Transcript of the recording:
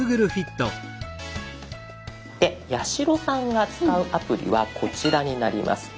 八代さんが使うアプリはこちらになります。